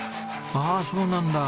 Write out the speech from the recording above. ああそうなんだ。